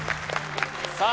さあ